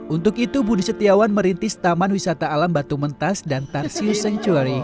untuk itu budi setiawan merintis taman wisata alam batu mentas dan tarsius sanctuary